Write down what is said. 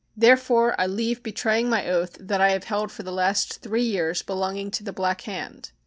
Therefore I leave betraying my oath that I have held for the last three years belonging to the Black Hand.